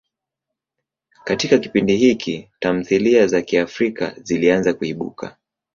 Katika kipindi hiki, tamthilia za Kiafrika zilianza kuibuka.